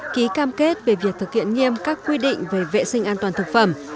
ký cam kết về việc thực hiện nghiêm các quy định về vệ sinh an toàn thực phẩm